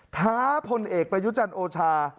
ท้าพลเอกประยุจันทร์โอชา